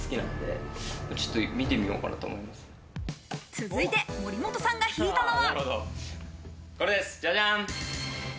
続いて森本さんが引いたのは。